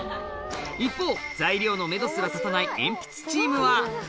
一方、材料のメドすら立たない鉛筆チームは。